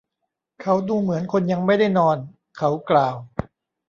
เขาดูเหมือนคนยังไม่ได้นอน เขากล่าว